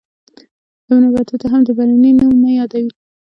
ابن بطوطه هم د برني نوم نه یادوي.